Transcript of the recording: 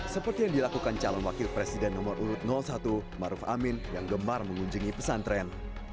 seperti yang dilakukan calon wakil presiden nomor urut satu maruf amin yang gemar mengunjungi pesantren